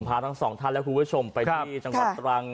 พาทั้งสองท่านและคุณผู้ชมไปที่จังหวัดตรัง